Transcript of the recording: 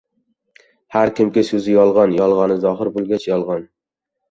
Har kimki so‘zi yolg‘on, yolg‘oni zohir bo‘lg‘ach yolg‘on.